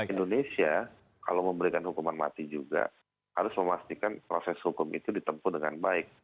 indonesia kalau memberikan hukuman mati juga harus memastikan proses hukum itu ditempuh dengan baik